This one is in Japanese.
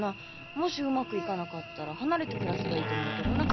もしうまくいかなかったら離れて暮らせばいいと思うけどな。